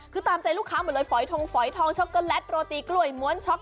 คือตามใจลูกค้าหมดเลยฝอยทงฝอยทองช็อกโกแลตโรตีกล้วยม้วนช็อก